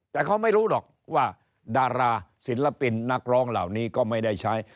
แต่เขาไม่รู้หรอกว่าดาราศิลปินนักร้องเหล่านี้ก็ไม่ได้ใช้